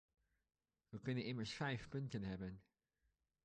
We kunnen immers vijf punten hebben.